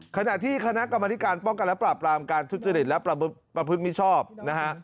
ขณะที่คณะกรรมธิการป้องกันและปราบรามการทุจริตและประพฤติมิชชอบนะฮะ